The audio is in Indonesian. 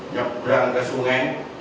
nyabdang ke sungai